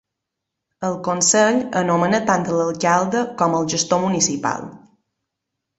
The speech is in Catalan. El consell anomena tant l'alcalde com el gestor municipal.